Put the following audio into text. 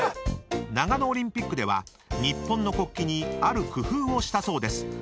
［長野オリンピックでは日本の国旗にある工夫をしたそうです］